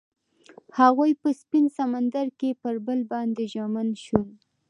هغوی په سپین سمندر کې پر بل باندې ژمن شول.